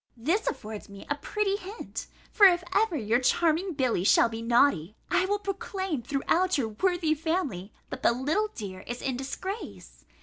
This affords me a pretty hint; for if ever your charming Billy shall be naughty, I will proclaim throughout your worthy family, that the little dear is in disgrace!